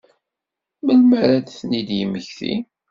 Melmi ara ad ten-id-yemmekti?